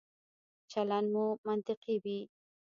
چلند مو منطقي وي.